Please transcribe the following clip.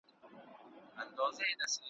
هره ورځ چي وو طبیب له کوره تللی ,